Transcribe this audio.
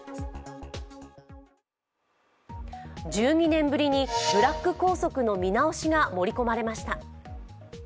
１２年ぶりにブラック校則の見直しが盛り込まれました。